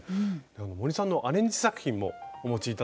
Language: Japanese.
森さんのアレンジ作品もお持ち頂いたんでこちら。